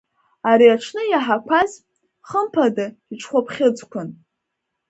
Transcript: Ари аҽны иаҳақәаз, хымԥада, иҽхәаԥхьыӡқәан.